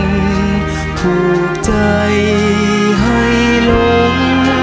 ผ่อนผูกใจให้ล้ม